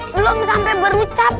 belum sampe berucap